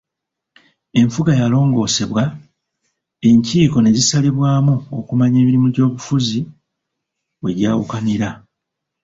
Enfuga yalongoosebwa, enkiiko ne zisalibwamu okumanya emirimu gy'obufuzi we gyawukanira.